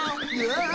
わあ！